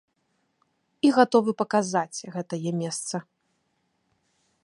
І гатовы паказаць гэтае месца.